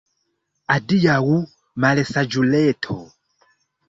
Adiaŭ, malsaĝuleto!